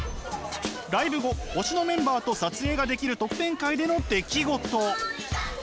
ライブ後推しのメンバーと撮影ができる特典会での出来事。